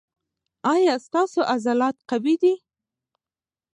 ایا ستاسو عضلات قوي دي؟